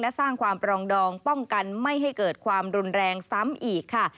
และสร้างความปรองดองป้องกันไม่ให้เกิดความรุนแรงซ้ำอีกค่ะ